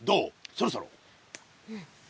そろそろ。